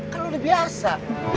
kan lo udah biasa